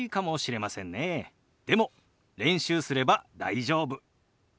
でも練習すれば大丈夫。